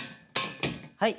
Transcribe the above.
はい。